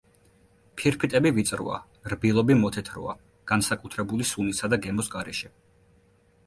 ფირფიტები ვიწროა, რბილობი მოთეთროა, განსაკუთრებული სუნისა და გემოს გარეშე.